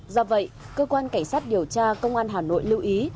do vậy cơ quan cảnh sát điều tra công an hà nội lưu ý